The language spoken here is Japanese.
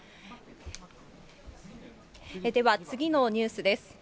では次のニュースです。